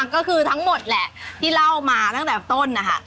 ก็คือทั้งหมดแหละที่เล่ามาตั้งแต่ต้นนะคะ